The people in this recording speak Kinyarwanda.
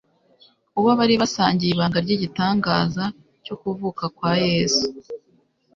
uwo bari basangiye ibanga ry’igitangaza cyo kuvuka kwa Yesu